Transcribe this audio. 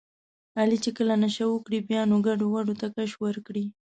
علي چې کله نشه وکړي بیا نو ګډوډو ته کش ورکړي.